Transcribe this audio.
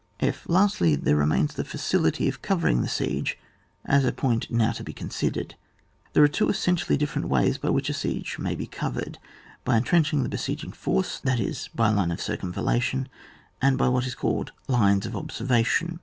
(/) Lastly, there remains the facility of covering the siege as a point now to be considered. There are two essentially different ways by which a siege may be covered : by entrenching the besieging force, that is, by a line of circumvaJIation, and by what is called lines of observation.